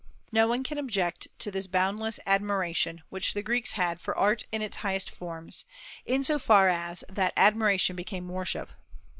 No one can object to this boundless admiration which the Greeks had for art in its highest forms, in so far as that admiration became worship.